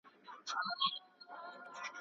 نن یې وار د پاڅېدو دی